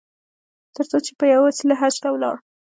تر څو چې په یوه وسیله حج ته ولاړ.